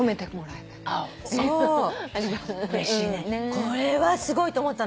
これはすごいと思ったの。